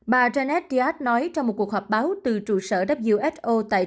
bà janeth diat nói trong một cuộc họp báo từ trụ sở who tại geneva thụy sĩ